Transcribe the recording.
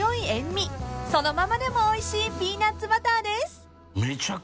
［そのままでもおいしいピーナッツバターです］